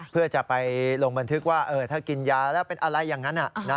เพื่อจะไปลงบันทึกว่าถ้ากินยาแล้วเป็นอะไรอย่างนั้น